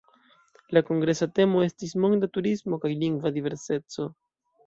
La kongresa temo estis "Monda turismo kaj lingva diverseco".